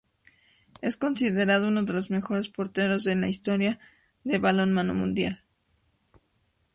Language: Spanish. Es considerado uno de los mejores porteros en la historia del balonmano mundial.